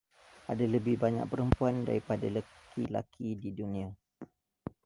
Ada lebih banyak perempuan daripada laki-laki di dunia.